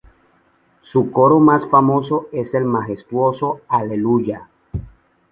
Su coro más famoso es el majestuoso "Hallelujah".